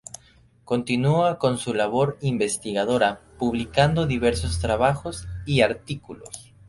Continúa con su labor investigadora, publicando diversos trabajos y artículos.